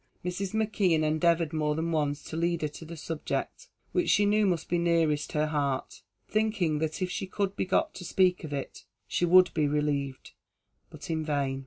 Mrs. McKeon endeavoured more than once to lead her to the subject which she knew must be nearest her heart, thinking that if she could be got to speak of it, she would be relieved; but in vain.